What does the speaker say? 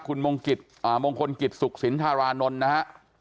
คุณมงคลกิจสุขสินธารานนท์นะฮะ